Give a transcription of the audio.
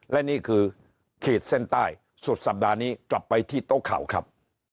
และนี่คือขีดเส้นใต้สุดสัปดาห์นี้กลับไปที่โต๊ะข่าวครับ